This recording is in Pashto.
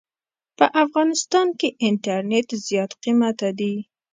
په افغانستان کې انټرنيټ زيات قيمته دي.